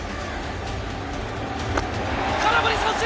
空振り三振！